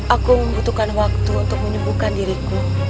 aku membutuhkan waktu untuk menyembuhkan diriku